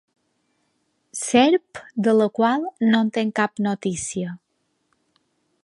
Serp de la qual no en tinc cap notícia.